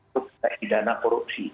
kita akan didana korupsi